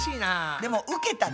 でもウケたね。